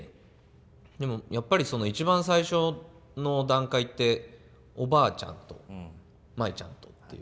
でもやっぱり一番最初の段階っておばあちゃんと舞ちゃんとっていう。